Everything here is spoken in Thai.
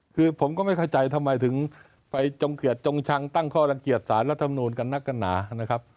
คือผมก็ไม่เข้าใจทำไมถึงไปจงเกียจจงชังตั้งข้อลังเกียจสารรัฐมนูลกันนักกันหนานะครับ